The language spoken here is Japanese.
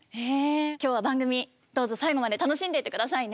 今日は番組どうぞ最後まで楽しんでいってくださいね。